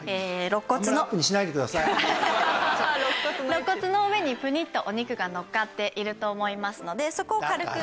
ろっ骨の上にプニッとお肉がのっかっていると思いますのでそこを軽く。